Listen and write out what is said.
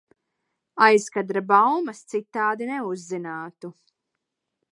Aizkadra baumas citādi neuzzinātu.